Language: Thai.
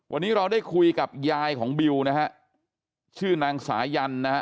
วันนี้เราได้คุยกับยายของบิวนะฮะชื่อนางสายันนะฮะ